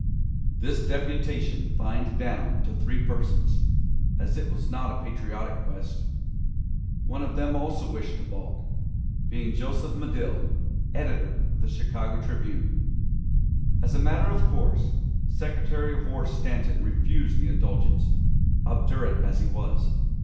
This deputation fined down to three persons, as it was not a patriotic quest. One of them also wished to balk, being Joseph Medill, editor of the Chicago Tribune. As a matter of course, Secretary of War Stanton refused the indulgence, obdurate as he was.